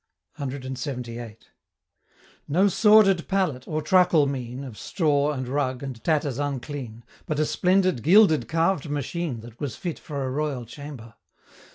CLXXVIII. No sordid pallet, or truckle mean, Of straw, and rug, and tatters unclean; But a splendid, gilded, carved machine, That was fit for a Royal Chamber.